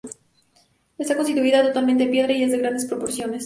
Está construida totalmente en piedra y es de grandes proporciones.